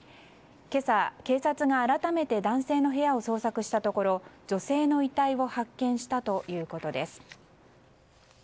今朝、警察が改めて男性の部屋を捜索したところ女性の遺体を発見したということです。